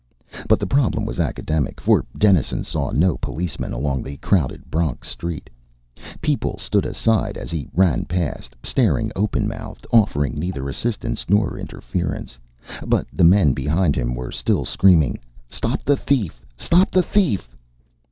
But the problem was academic, for Dennison saw no policeman along the crowded Bronx street. People stood aside as he ran past, staring open mouthed, offering neither assistance nor interference. But the men behind him were still screaming, "Stop the thief! Stop the thief!"